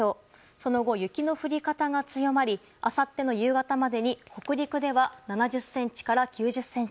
その後、雪の降り方が強まりあさっての夕方までに北陸では７０ｃｍから９０ｃｍ。